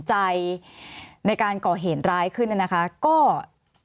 สวัสดีครับทุกคน